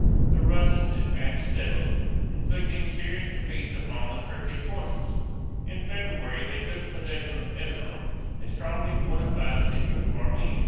The Russians advanced steadily, inflicting serious defeats upon the Turkish forces. In February they took possession of Erz´erum, a strongly fortified city of Armenia.